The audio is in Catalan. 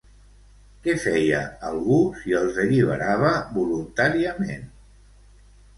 Què feia algú si els alliberava voluntàriament?